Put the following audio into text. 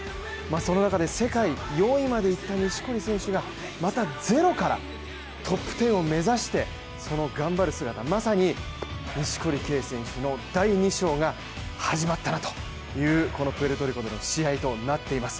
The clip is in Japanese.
その中で世界４位までいった錦織選手がまたゼロから、トップ１０を目指してその頑張る姿まさに錦織圭選手の第２章が始まったなというこのプエルトリコでの試合となっています。